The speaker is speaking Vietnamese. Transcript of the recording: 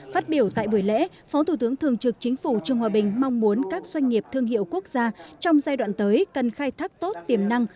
phát biểu tại buổi lễ phó thủ tướng thường trực chính phủ trương hòa bình mong muốn các doanh nghiệp thương hiệu quốc gia trong giai đoạn tới cần khai thác tốt tiềm năng